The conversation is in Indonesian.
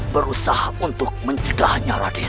berusaha untuk mencegahnya raden